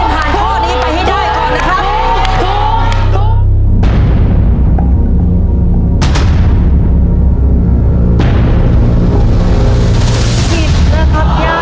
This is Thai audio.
ถูก